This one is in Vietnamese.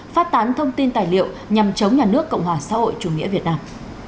phát tán thông tin tài liệu nhằm chống nhà nước cộng hòa xã hội chủ nghĩa việt nam